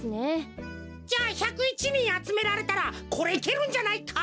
じゃ１０１にんあつめられたらこれいけるんじゃないか？